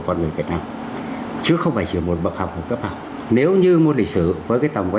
con người việt nam chứ không phải chỉ một bậc học một cấp học nếu như môn lịch sử với cái tầm quan